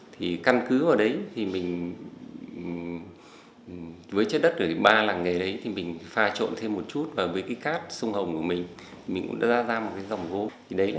thì căn cứ ở đấy thì mình với chất đất ở ba làng nghề đấy thì mình pha trộn thêm một chút và với cái cát sung hồng của mình mình cũng đã ra ra một cái dòng gốm